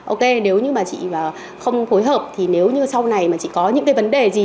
ok nếu như chị không phối hợp thì nếu như sau này chị có những vấn đề gì